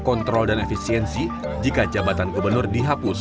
kontrol dan efisiensi jika jabatan gubernur dihapus